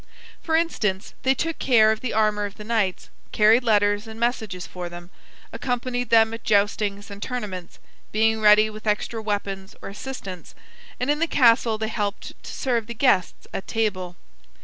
For instance, they took care of the armor of the knights, carried letters and messages for them, accompanied them at joustings and tournaments, being ready with extra weapons or assistance; and in the castle they helped to serve the guests at table.